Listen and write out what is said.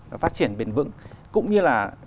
và phát triển bền vững cũng như là